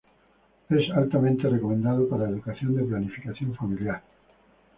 Es altamente recomendado para educación de planificación familiar".